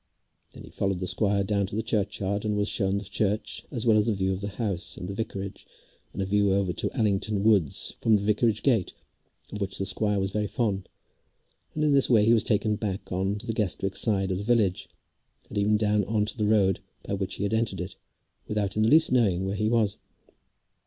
Then he followed the squire down to the churchyard, and was shown the church as well as the view of the house, and the vicarage, and a view over to Allington woods from the vicarage gate, of which the squire was very fond, and in this way he was taken back on to the Guestwick side of the village, and even down on to the road by which he had entered it, without in the least knowing where he was.